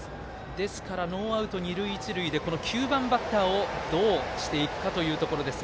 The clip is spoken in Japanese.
ですからノーアウト、二塁一塁でこの９番バッターをどうしていくかということです。